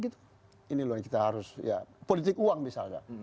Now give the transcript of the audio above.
ini yang kita harus politik uang misalnya